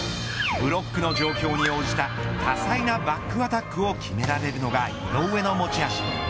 ブロックの状況に応じた多彩なバックアタックを決められるのが井上の持ち味。